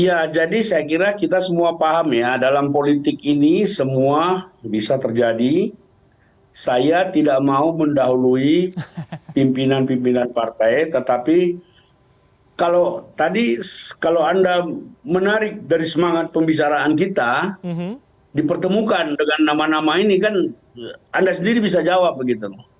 iya jadi saya kira kita semua paham ya dalam politik ini semua bisa terjadi saya tidak mau mendahului pimpinan pimpinan partai tetapi kalau tadi kalau anda menarik dari semangat pembicaraan kita dipertemukan dengan nama nama ini kan anda sendiri bisa jawab begitu